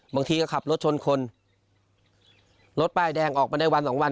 บางทีก็ขับรถชนคนรถป้ายแดงออกมาได้วันสองวัน